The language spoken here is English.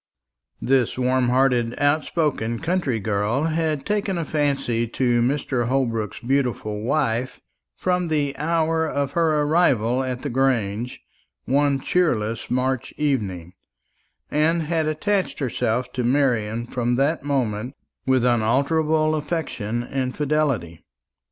This warm hearted outspoken country girl had taken a fancy to Mr. Holbrook's beautiful wife from the hour of her arrival at the Grange, one cheerless March evening, and had attached herself to Marian from that moment with unalterable affection and fidelity.